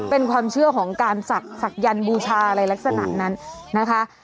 เป็นความเชื่อของการศักดิ์บูชาอะไรลักษณะนั้นนะคะ